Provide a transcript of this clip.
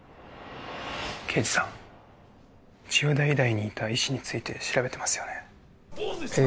刑事さん千代田医大にいた医師について調べてますよねええ